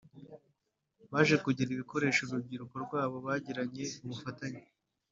baje kugira ibikoresho urubyiruko rwabo Bagiranye ubufatanye